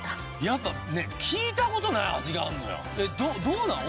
やっぱねっ聞いたことない味があんのよどうなの？